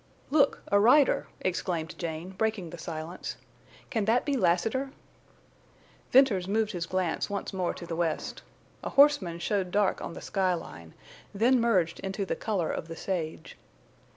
"Look! A rider!" exclaimed Jane, breaking the silence. "Can that be Lassiter?" Venters moved his glance once more to the west. A horseman showed dark on the sky line, then merged into the color of the sage.